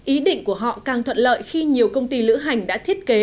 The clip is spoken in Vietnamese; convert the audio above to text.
ý định của họ càng thuận lợi khi nhiều công ty lữ hành đã thiết kế